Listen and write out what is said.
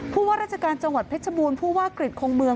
ว่าราชการจังหวัดเพชรบูรณ์ผู้ว่ากริจคงเมือง